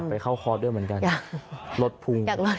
อยากไปเข้าคอร์สด้วยเหมือนกัน